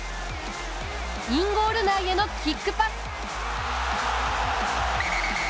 インゴール内へのキックパス。